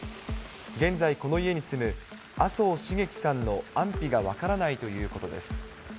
現在、この家に住む麻生繁喜さんの安否が分からないということです。